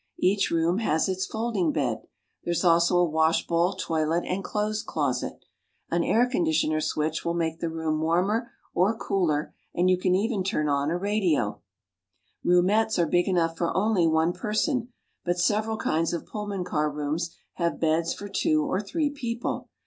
Each room has its folding bed. There's also a washbowl, toilet and clothes closet. An air conditioner switch will make the room warmer or cooler, and you can even turn on a radio. Roomettes are big enough for only one person. But several kinds of Pullman car rooms have beds for two or three people.